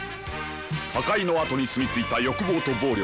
破壊のあとにすみ着いた欲望と暴力。